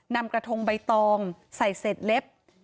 นำกระทงใบตองใส่เศษเล็บ